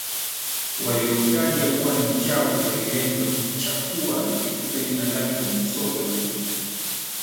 waliomtaja kuwa ni mchawi walilenga kumchafua na kulifuta jina lake kwenye soko la muziki